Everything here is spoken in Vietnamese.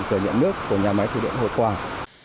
trở nhận nước của nhà máy thủy điện hội quảng